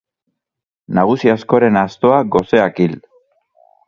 Nagusi askoren astoa goseak hil.